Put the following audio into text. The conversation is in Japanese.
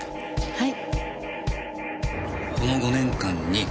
はい。